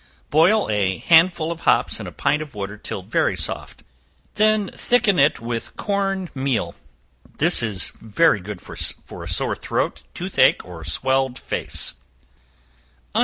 Boil a handful of hops in a pint of water till very soft; when thicken it with corn meal. This is very good for a sore throat, tooth ache, or swelled face.